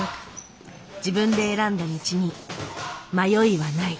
自分で選んだ道に迷いはない。